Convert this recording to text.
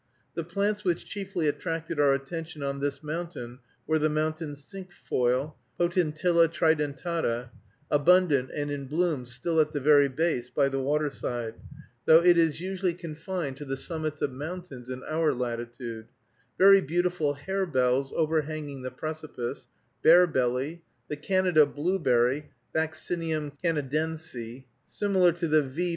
The plants which chiefly attracted our attention on this mountain were the mountain cinquefoil (Potentilla tridentata), abundant and in bloom still at the very base, by the waterside, though it is usually confined to the summits of mountains in our latitude; very beautiful harebells overhanging the precipice; bear berry; the Canada blueberry (Vaccinium Canadense), similar to the _V.